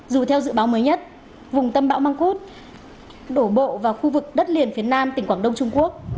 dù theo dự báo mới nhất vùng tâm bão măng khuốt đổ bộ vào khu vực đất liền phía nam tỉnh quảng đông trung quốc